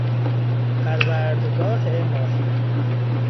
پروردگاه ماهی